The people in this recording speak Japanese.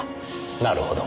なるほど。